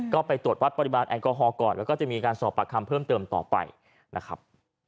ก็ไปตรวจวัดปริมาณแอลกอฮอลก่อนแล้วก็จะมีการสอบปากคำเพิ่มเติมต่อไปนะครับ